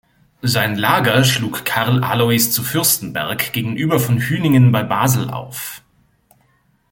Sein Lager schlug Karl Aloys zu Fürstenberg gegenüber von Hüningen bei Basel auf.